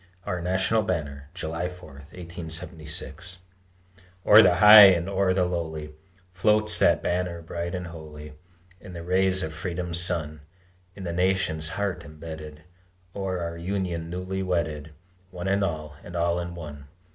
OUR NATIONAL BANNER [July 4, 1876] O'er the high and o'er the lowly Floats that banner bright and holy In the rays of Freedom's sun, In the nation's heart embedded, O'er our Union newly wedded, One in all, and all in one.